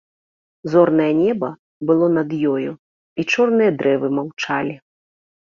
Зорнае неба было над ёю, і чорныя дрэвы маўчалі.